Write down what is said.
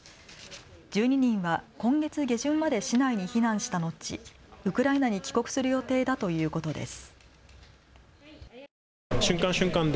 １２人は今月下旬まで市内に避難したのちウクライナに帰国する予定だということです。